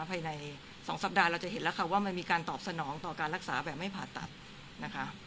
ภายใน๒สัปดาห์เราจะเห็นแล้วค่ะว่ามันมีการตอบสนองต่อการรักษาแบบไม่ผ่าตัดนะคะ